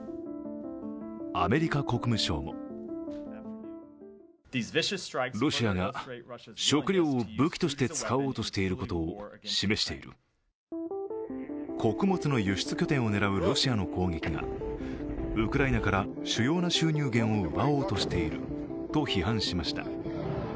アメリカ国務省も穀物の輸出拠点を狙うロシアの攻撃がウクライナから主要な収入源を奪おうとしていると批判しました。